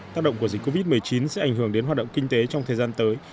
tác động của dịch covid một mươi chín sẽ ảnh hưởng đến hoạt động kinh tế trong thời gian tới